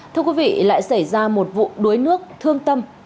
thưa quý vị lại xảy ra một vụ đuối nước thương tâm